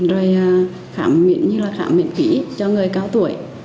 rồi khảm miễn như là khảm miễn phí cho người cao tuổi